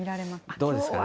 どうですかね。